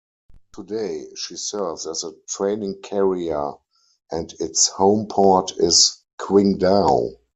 Today, she serves as a training carrier and its home port is Qingdao.